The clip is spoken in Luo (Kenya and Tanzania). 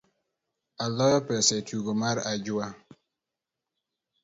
Aloyo pesa etugo mare ajua.